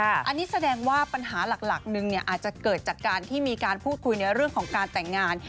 อันนี้แสดงว่าปัญหาหลักนึงอาจจะเกิดจากการที่มีการพูดคุยในเรื่องของการแต่งงาน